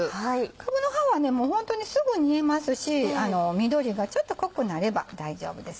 かぶの葉はホントにすぐ煮えますし緑がちょっと濃くなれば大丈夫ですよ。